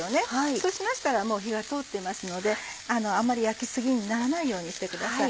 そうしましたらもう火が通っていますのであんまり焼き過ぎにならないようにしてください。